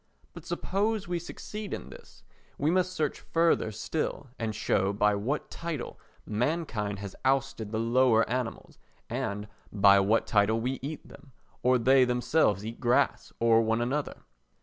But suppose we succeed in this, we must search further still and show by what title mankind has ousted the lower animals, and by what title we eat them, or they themselves eat grass or one another.